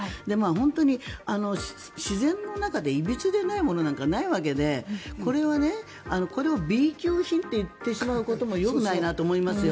本当に、自然の中でいびつでないものなんかないわけでこれはこれをＢ級品と言ってしまうこともよくないなと思いますよ。